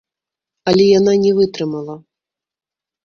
Але яна не вытрымала.